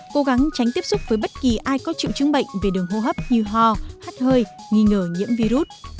cố gắng tránh tiếp xúc với bất kỳ ai có triệu chứng bệnh về đường hô hấp như ho hát hơi nghi ngờ nhiễm virus